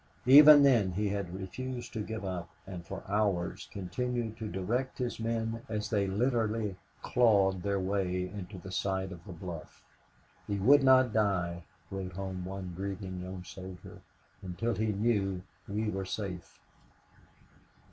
Even then he had refused to give up and for hours continued to direct his men as they literally clawed their way into the side of the bluff. "He would not die," wrote home one grieving young soldier, "until he knew we were safe."